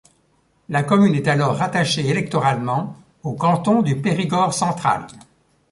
La commune est alors rattachée électoralement au canton du Périgord central.